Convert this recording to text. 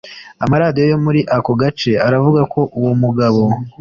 Amaradiyo yo muri ako gace aravuga ko uwo mugabo